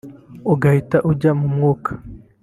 ugahita ujya mu mwuka